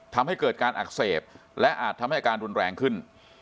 ทำให้เกิดการอักเสบและอาจทำให้อาการรุนแรงขึ้น